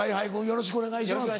よろしくお願いします。